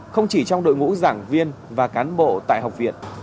không chỉ trong đội ngũ giảng viên và cán bộ tại học viện